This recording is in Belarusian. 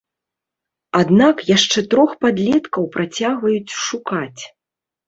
Аднак яшчэ трох падлеткаў працягваюць шукаць.